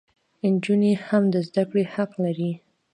انجونې هم د زدکړي حق لري